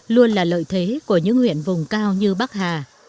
luôn là lợi thế của những huyện vùng cao như bắc hà